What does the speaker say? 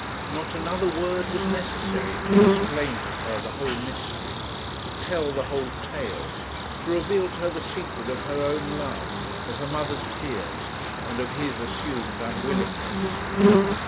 Not another word was necessary to explain to her the whole mystery, to tell the whole tale, to reveal to her the secret of her own love, of her mother's fears, and of his assumed unwillingness.